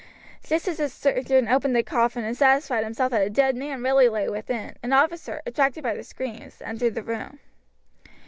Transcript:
Just as the sergeant opened the coffin and satisfied himself that a dead man really lay within, an officer, attracted by the screams, entered the room.